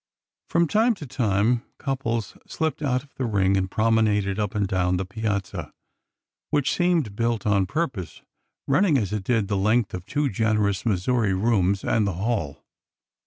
From time to time couples slipped out of the ring and promenaded up and down the piazza, which seemed built on purpose, running as it did the length of two generous Missouri rooms and the hall.